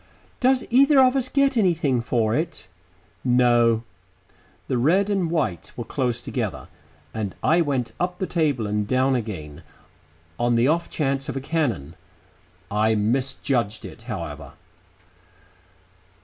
"Does either of us get anything for it?" "No." The red and white were close together, and I went up the table and down again, on the off chance of a cannon. I misjudged it, however.